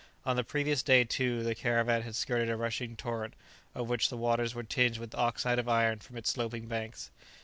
On the previous day, too, the caravan had skirted a rushing torrent, of which the waters were tinged with oxide of iron from its sloping banks.